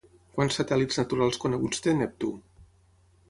Quants satèl·lits naturals coneguts té Neptú?